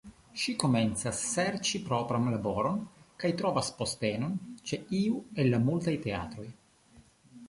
Ŝi komencas serĉi propran laboron kaj trovas postenon ĉe iu el la multaj teatroj.